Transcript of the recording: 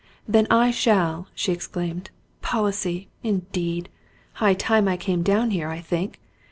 "Then I shall!" she exclaimed. "Policy, indeed! High time I came down here, I think!